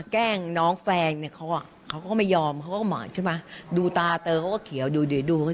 แกล้งน้องแฟนเขาก็ไม่ยอมเขาก็มาดูตาเตอร์เขาก็เขียวดู